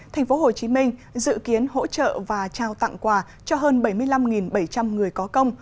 tp hcm dự kiến hỗ trợ và trao tặng quà cho hơn bảy mươi năm bảy trăm linh người có công